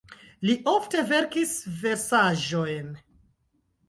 Li ofte verkis versaĵojn.